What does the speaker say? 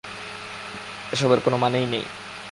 এসবের কোনো মানেই নেই!